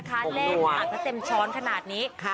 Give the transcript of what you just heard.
ใส่น้อยเอรออยน้อยนะคะ